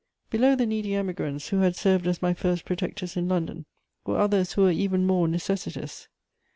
Below the needy Emigrants who had served as my first protectors in London were others who were even more necessitous.